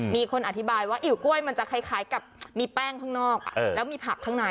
มีคนอธิบายว่าอิ๋วกล้วยมันจะคล้ายกับมีแป้งข้างนอกแล้วมีผักข้างใน